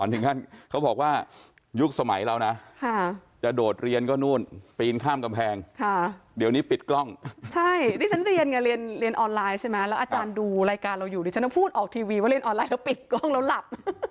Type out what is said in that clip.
ถ้าโดดเรียนก็นู่นปีนข้ามกำแพงเดี๋ยวนี้ปิดกล้องใช่รีนเรียนออนไลน์ใช่มั้ยแล้วอาจารย์ดูรายการเราอยู่รีนฉันก็พูดออกทีวีว่าเรียนออนไลน์ปิดกล้องเรารับ